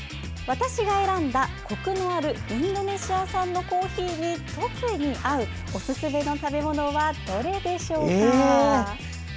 私が選んだ、コクのあるインドネシア産のコーヒーに特に合う、おすすめの食べ物はどれでしょうか？